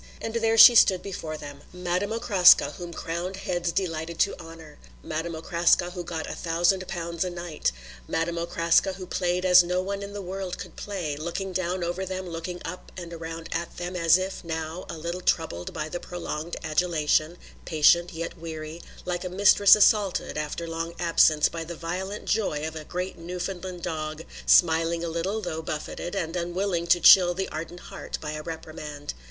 And there she stood before them; Madame Okraska whom crowned heads delighted to honour; Madame Okraska who got a thousand pounds a night; Madame Okraska who played as no one in the world could play; looking down over them, looking up and around at them, as if, now, a little troubled by the prolonged adulation, patient yet weary, like a mistress assaulted, after long absence, by the violent joy of a great Newfoundland dog; smiling a little, though buffeted, and unwilling to chill the ardent heart by a reprimand.